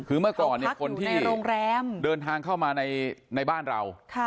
คือเมื่อก่อนเนี่ยคนที่เขาพักอยู่ในโรงแรมเดินทางเข้ามาในในบ้านเราค่ะ